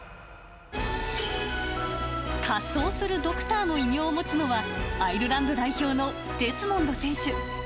滑走するドクターの異名を持つのは、アイルランド代表のデスモンド選手。